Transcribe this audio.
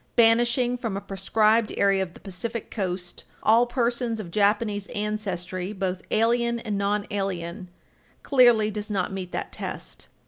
34, banishing from a prescribed area of the Pacific Coast "all persons of Japanese ancestry, both alien and non alien," clearly does not meet that test.